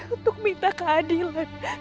untuk minta keadilan